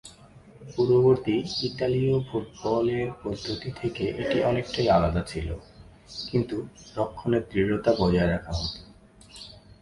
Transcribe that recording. পূর্ববর্তী ইতালীয় ফুটবলের পদ্ধতি থেকে এটি অনেকটাই আলাদা ছিল, কিন্তু রক্ষণে দৃঢ়তা বজায় রাখা হত।